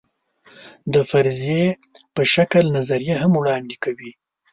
د فرضیې په شکل نظریه هم وړاندې کوي.